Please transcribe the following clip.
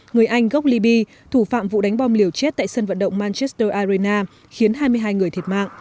người anh gogley thủ phạm vụ đánh bom liều chết tại sân vận động manchester arena khiến hai mươi hai người thiệt mạng